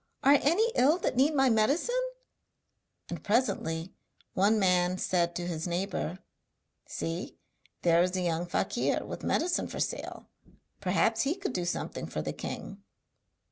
Are any ill that need my medicine?' And presently one man said to his neighbour: 'See, there is a young fakir with medicine for sale, perhaps he could do something for the king.'